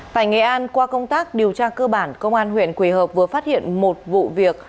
tại nghệ an qua công tác điều tra cơ bản công an huyện quỳ hợp vừa phát hiện một vụ việc